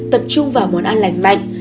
một mươi hai tập trung vào món ăn lành mạnh